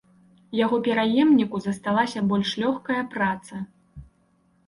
Яго пераемніку засталася больш лёгкая праца.